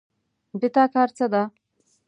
د تا کار څه ده